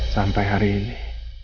sampe hari ini